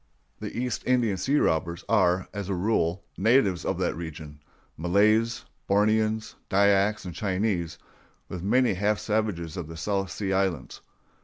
The East Indian sea robbers are, as a rule, natives of that region—Malays, Borneans, Dyaks, and Chinese, with many half savages of the South Sea Islands.